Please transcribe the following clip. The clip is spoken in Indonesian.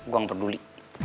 gue gak peduli